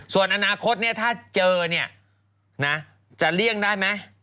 ส่วนอนาคตถ้าเจอจะเรียงได้มั้ย